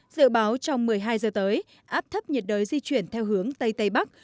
dự báo trong một mươi hai giờ tới áp thấp nhiệt đới di chuyển theo hướng tây tây bắc